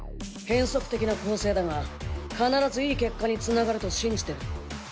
変則的な構成だが必ずいい結果につながると信じてる。